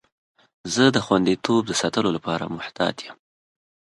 زه د خوندیتوب د ساتلو لپاره محتاط یم.